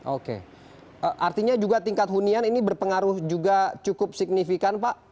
oke artinya juga tingkat hunian ini berpengaruh juga cukup signifikan pak